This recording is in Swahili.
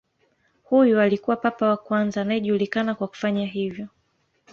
Huyu alikuwa papa wa kwanza anayejulikana kwa kufanya hivyo.